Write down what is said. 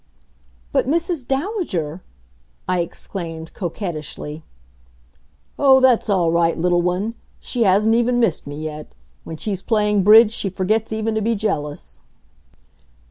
"But, Mrs. Dowager!" I exclaimed coquettishly. "Oh, that's all right, little one! She hasn't even missed me yet. When she's playing Bridge she forgets even to be jealous."